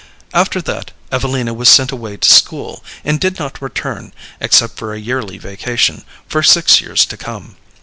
After that Evelina was sent away to school, and did not return, except for a yearly vacation, for six years to come.